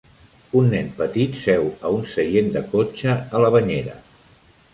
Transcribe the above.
Un nen petit seu a un seient de cotxe a la banyera